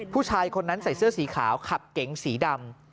ผู้ชายคนนั้นใส่เสื้อสีขาวขับเก๋งสีดำ